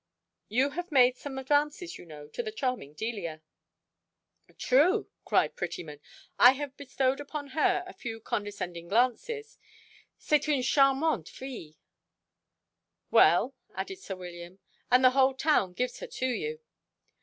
You have made some advances, you know, to the charming Delia." "True," cried Prettyman, "I have bestowed upon her a few condescending glances. C'est une charmante fille." "Well," added sir William, "and the whole town gives her to you."